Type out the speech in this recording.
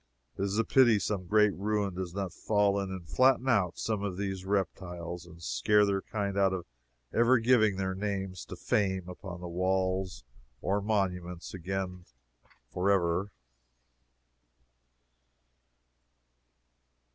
It is a pity some great ruin does not fall in and flatten out some of these reptiles, and scare their kind out of ever giving their names to fame upon any walls or monuments again, forever.